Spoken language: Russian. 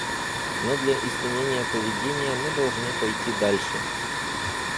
Но для изменения поведения мы должны пойти дальше.